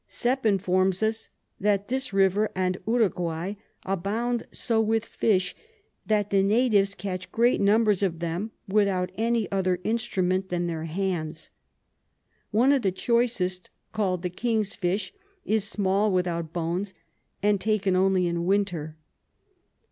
Sepp informs us, that this River and Uraguay abound so with Fish, that the Natives catch great numbers of them without any other Instrument than their Hands: one of the choicest, call'd the Kings Fish, is small without Bones, and taken only in Winter.